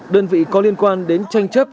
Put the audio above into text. đơn vị có liên quan đến tranh chấp